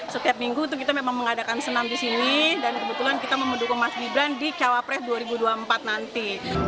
setiap minggu itu kita memang mengadakan senam di sini dan kebetulan kita mau mendukung mas gibran di cawapres dua ribu dua puluh empat nanti